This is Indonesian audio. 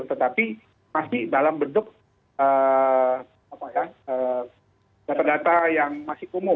tetapi masih dalam bentuk data data yang masih kumuh